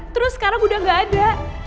terus sekarang udah gak ada